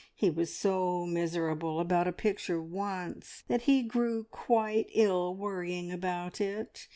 He was so miserable about a picture once that he grew quite ill worrying about it.